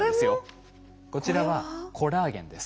こちらはコラーゲンです。